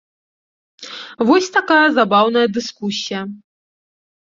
Вось такая забаўная дыскусія.